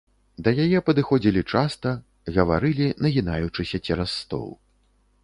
Да яе падыходзілі часта, гаварылі, нагінаючыся цераз стол.